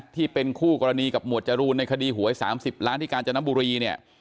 ที่เป็นคู่กรณีกับหมวดจรูนในคดีหวย๓๐ล้านที่กาญจนบุรีเนี่ย